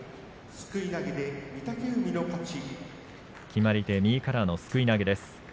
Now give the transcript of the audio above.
決まり手は右からのすくい投げです。